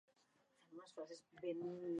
Per anar a Bétera has de fer molta marrada.